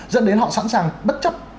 dẫn đến họ sẵn sàng bất chấp